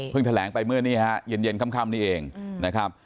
แถลงไปเมื่อนี้ฮะเย็นค่ำนี้เองนะครับ